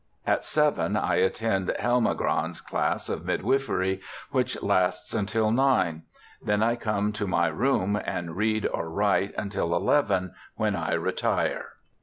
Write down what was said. At seven I attend Helmagrande's class of midwifery, which lasts until nine; then I come to my room and read or write until eleven, when I retire.'